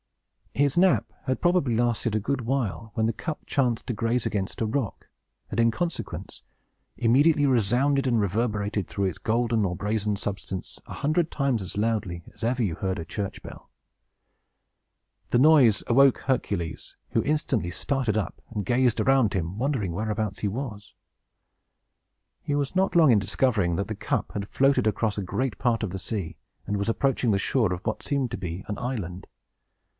His nap had probably lasted a good while, when the cup chanced to graze against a rock, and, in consequence, immediately resounded and reverberated through its golden or brazen substance, a hundred times as loudly as ever you heard a church bell. The noise awoke Hercules, who instantly started up and gazed around him, wondering whereabouts he was. He was not long in discovering that the cup had floated across a great part of the sea, and was approaching the shore of what seemed to be an island.